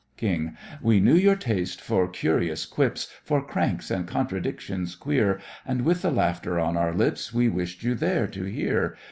KING: We knew your taste for curious quips, For cranks and contradictions queer; And with the laughter on our lips, We wished you there to hear.